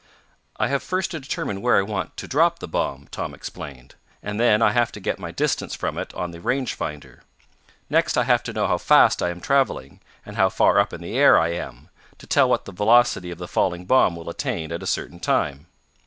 "I have first to determine where I want to drop the bomb," Tom explained, "and then I have to get my distance from it on the range finder. Next I have to know how fast I am traveling, and how far up in the air I am, to tell what the velocity of the falling bomb will attain at a certain time.